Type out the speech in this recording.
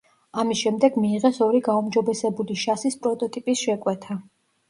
ამის შემდეგ მიიღეს ორი გაუმჯობესებული შასის პროტოტიპის შეკვეთა.